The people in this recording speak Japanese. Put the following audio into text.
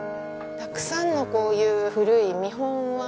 たくさんのこういう古い見本椀をお持ちで。